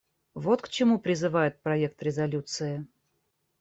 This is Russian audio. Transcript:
Вот к чему призывает проект резолюции.